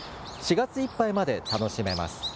４月いっぱいまで楽しめます。